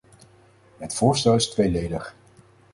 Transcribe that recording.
Het voorstel is tweeledig.